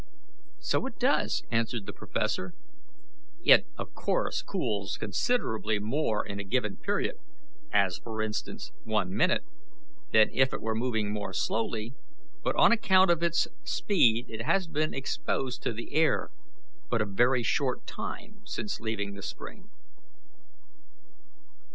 "So it does," answered the professor. "It of course cools considerably more in a given period as, for instance, one minute than if it were moving more slowly, but on account of its speed it has been exposed to the air but a very short time since leaving the spring."